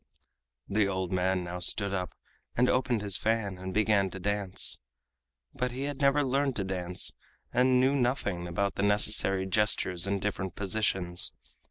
The old man now stood up and opened his fan and began to dance. But he had never learned to dance, and knew nothing about the necessary gestures and different positions.